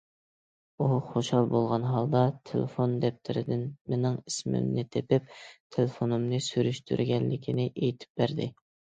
ئۇ خۇشال بولغان ھالدا، تېلېفون دەپتىرىدىن مېنىڭ ئىسمىمنى تېپىپ، تېلېفونۇمنى سۈرۈشتۈرگەنلىكىنى ئېيتىپ بەردى.